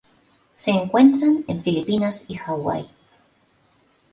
Se encuentran en Filipinas y Hawaii.